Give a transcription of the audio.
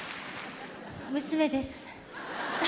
娘です。